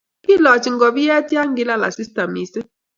kilochi ngobie ya kila asista mising'